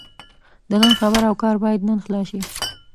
د نن خبره او کار باید نن خلاص شي.